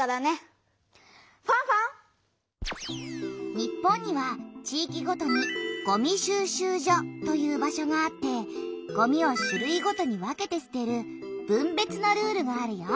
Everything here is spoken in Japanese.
日本には地いきごとにごみ収集所という場所があってごみを種類ごとに分けてすてる分別のルールがあるよ。